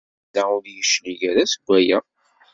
Yella ur d-yeclig ara seg waya.